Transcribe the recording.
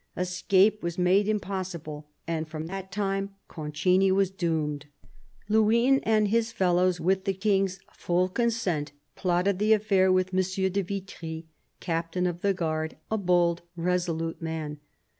Escape was made impossible, and from that time Concini was doomed. Luynes and his fellows, with the King's full consent, plotted the affair with M. de Vitry, captain of the guard, a bold, resolute man.